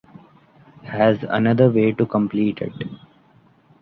Has another way to complete it.